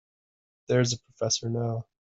There's the professor now.